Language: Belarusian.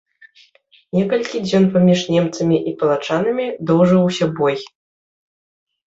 Некалькі дзён паміж немцамі і палачанамі доўжыўся бой.